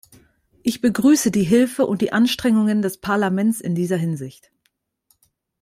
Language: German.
Ich begrüße die Hilfe und die Anstrengungen des Parlaments in dieser Hinsicht.